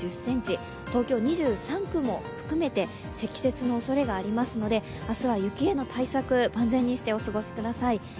東京２３区も含めて積雪のおそれがありますので明日は雪への対策、万全にしてお過ごしください。